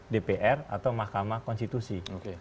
dpr atau mahkamah konstitusi